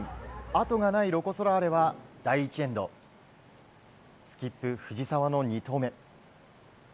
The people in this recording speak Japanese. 後がないロコ・ソラーレは第１エンドスキップ藤澤の２投目。